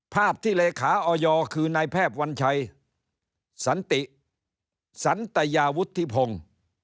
ภาพที่เลขาออยคือนายแพทย์วัญชัยสันติสันตยาวุฒิพงศ์